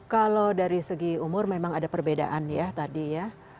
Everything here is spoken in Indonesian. kalau dari segi umur memang ada perbedaan ya tadi ya